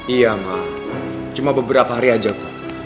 iya ma cuma beberapa hari aja kum